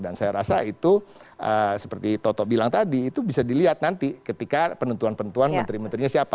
dan saya rasa itu seperti toto bilang tadi itu bisa dilihat nanti ketika penentuan penentuan menteri menterinya siapa